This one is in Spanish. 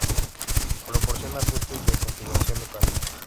Proporciona ajustes de configuración local.